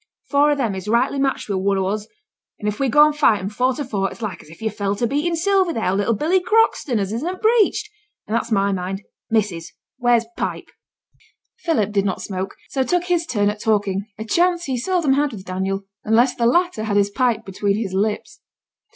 Four o' them is rightly matched wi' one o' us; and if we go an' fight 'em four to four it's like as if yo' fell to beatin' Sylvie there, or little Billy Croxton, as isn't breeched. And that's my mind. Missus, where's t' pipe?' Philip did not smoke, so took his turn at talking, a chance he seldom had with Daniel, unless the latter had his pipe between his lips.